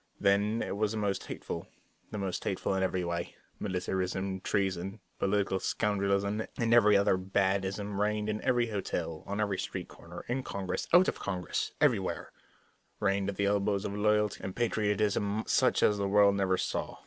Then it was the most hateful; the most hateful in every way. Militarism, treason, political scoundrelism, and every other bad ism reigned in every hotel, on every street corner, in Congress, out of Congress everywhere; reigned right at the elbows of loyalty and patriotism such as the world never saw.